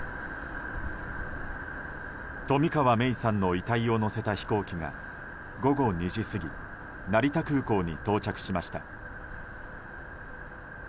冨川芽生さんの遺体を乗せた飛行機が午後２時過ぎ成田空港に到着しました。